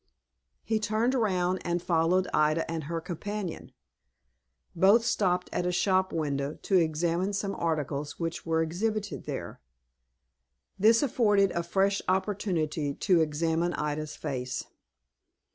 He turned round, and followed Ida and her companion. Both stopped at a shop window to examine some articles which were exhibited there. This afforded a fresh opportunity to examine Ida's face.